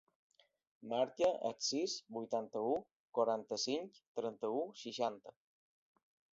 Marca el sis, vuitanta-u, quaranta-cinc, trenta-u, seixanta.